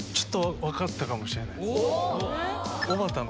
分かったかもしれないです。